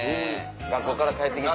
学校から帰って来て。